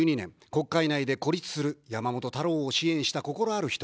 国会内で孤立する山本太郎を支援した心ある人。